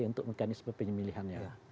untuk mekanisme pemilihannya